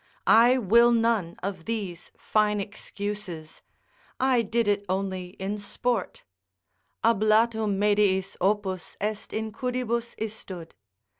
I will none of these fine excuses, "I did it only in sport, 'Ablatum mediis opus est incudibus istud.